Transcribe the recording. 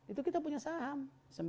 itu kita punya saham